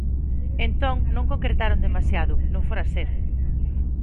Entón, non concretaron demasiado, non fora ser.